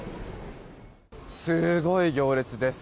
すごい行列です。